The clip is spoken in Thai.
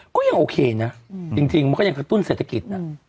ก็ยังโอเคนะจริงมันก็ยังกระตุ้นเศรษฐกิจนะ